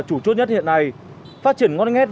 chủ chốt nhất hiện nay phát triển ngon ngét